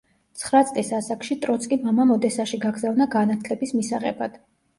ცხრა წლის ასაკში ტროცკი მამამ ოდესაში გაგზავნა განათლების მისაღებად.